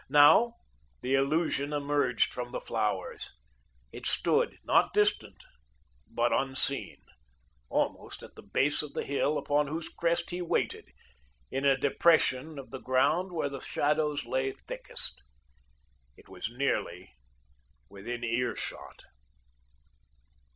Now, the illusion emerged from the flowers. It stood, not distant, but unseen, almost at the base of the hill upon whose crest he waited, in a depression of the ground where the shadows lay thickest. It was nearly within earshot.